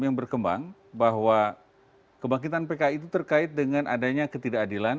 yang berkembang bahwa kebangkitan pki itu terkait dengan adanya ketidakadilan